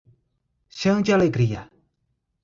Chã de Alegria